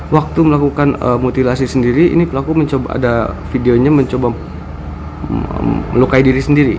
waktu melakukan mutilasi sendiri ini pelaku mencoba ada videonya mencoba melukai diri sendiri